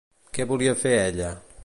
Què volia fer ella?